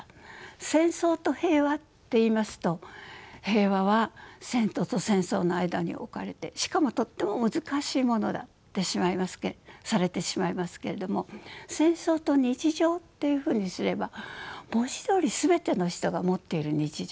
「戦争と平和」っていいますと平和は戦争と戦争の間に置かれてしかもとっても難しいものだってされてしまいますけれども「戦争と日常」っていうふうにすれば文字どおり全ての人が持っている日常。